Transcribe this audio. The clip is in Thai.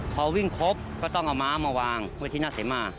พอวิ่งครบก็ต้องเอาม้ามาวางไว้ที่หน้าเสมา